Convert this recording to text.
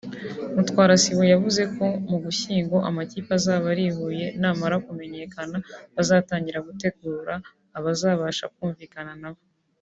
Mutwarasibo yavuze ko mu Ugushyingo amakipe azaba ari Huye namara kumenyekana bazatangira gutegura abazabasha kumvikana na bo